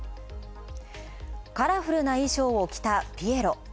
カラフルな衣装を着たピエロ。